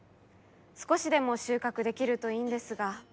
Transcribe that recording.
少しでも収穫できるといいんですが。